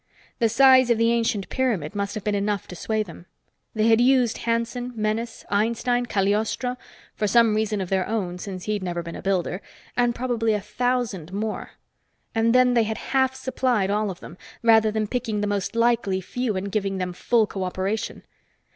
The size of the ancient pyramid must have been enough to sway them. They had used Hanson, Menes, Einstein, Cagliostro for some reason of their own, since he'd never been a builder and probably a thousand more. And then they had half supplied all of them, rather than picking the most likely few and giving full cooperation.